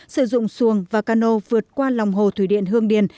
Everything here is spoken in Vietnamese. sử dụng xuồng và cano vượt qua lòng hồ thủy điện hương điền